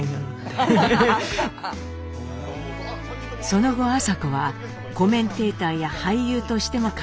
その後麻子はコメンテーターや俳優としても活躍。